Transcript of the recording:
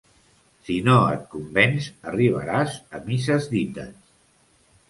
Si no et convenç, arribaràs a misses dites.